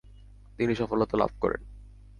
তিনি সফলতা লাভ করেন।